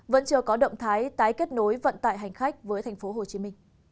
vẫn chưa có động thái tái kết nối vận tải hành khách với tp hcm